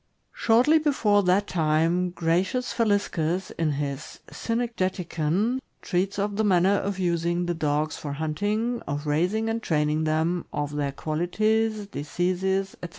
Shortly before that time, Gratlus Faliscus, in his "Cynegeticon," treats of the manner of using the dogs for hunting, of raising and training them, of their qualities, diseases, etc.